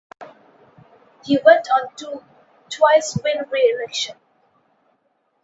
He went on to twice win re-election.